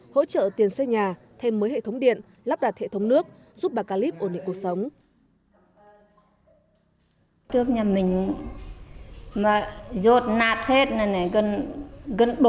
hỗ trợ tiền xây nhà thêm mới hệ thống điện lắp đặt hệ thống nước giúp bà calip ổn định cuộc sống